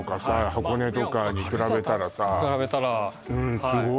箱根とかに比べたらさうん